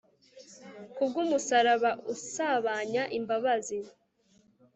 ku bw'umusaraba usabanya imbabazi